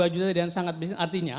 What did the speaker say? dua dua juta rakyat sangat miskin artinya